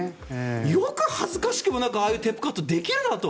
よく恥ずかしくもなくああいうテープカットができるなと。